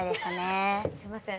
すいません。